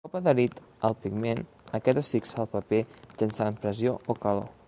Un cop adherit el pigment, aquest es fixa al paper mitjançant pressió o calor.